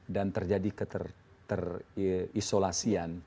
dan terjadi keterisolasi